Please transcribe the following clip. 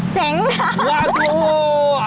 เจ๊งแล้ว